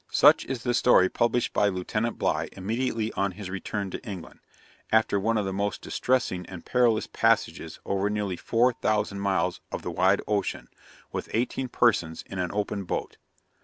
Such is the story published by Lieutenant Bligh immediately on his return to England, after one of the most distressing and perilous passages over nearly four thousand miles of the wide ocean, with eighteen persons, in an open boat.